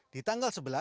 di tanggal sebelas